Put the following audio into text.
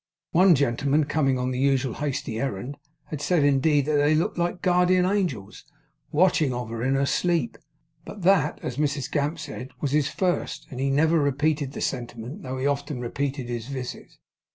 One gentleman, coming on the usual hasty errand, had said indeed, that they looked like guardian angels 'watching of her in her sleep.' But that, as Mrs Gamp said, 'was his first;' and he never repeated the sentiment, though he often repeated his visit.